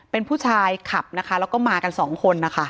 เป็นผู้ชายขับนะคะแล้วก็มากันสองคนนะคะ